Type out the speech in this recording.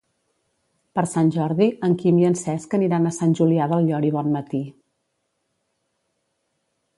Per Sant Jordi en Quim i en Cesc aniran a Sant Julià del Llor i Bonmatí.